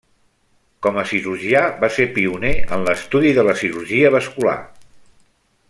Com a cirurgià va ser pioner en l'estudi de la cirurgia vascular.